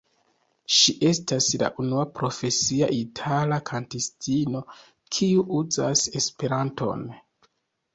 Ŝi estas la unua profesia itala kantistino, kiu uzas esperanton.